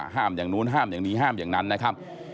อย่างนู้นห้ามอย่างนี้ห้ามอย่างนั้นนะครับ